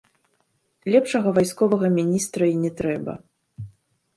Лепшага вайсковага міністра і не трэба.